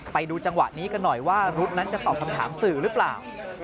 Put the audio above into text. ไปดูจังหวะนี้กันหน่อยว่ารุ๊ดนั้นจะตอบคำถามสื่อหรือเปล่า